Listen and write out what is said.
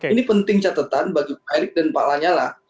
ini penting catatan bagi pak erik dan pak lanyala